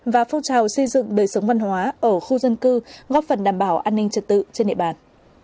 và phong trào xây dựng đời sống văn hóa ở khu dân cư góp phần đảm bảo an ninh trật tự trên địa bàn